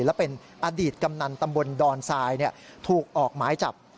และเป็นอดีตกำนันตำบลดอนทรายถูกออกหมายจับ